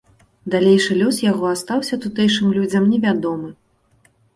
Далейшы лёс яго астаўся тутэйшым людзям невядомы.